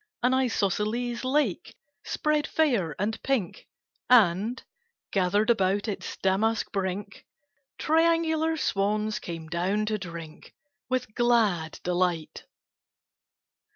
An isosceles lake spread fair and pink, And, gathered about its damask brink, Triangular swans came down to drink With glad delight.